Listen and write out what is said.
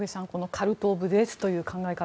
カルト・オブ・デスという考え方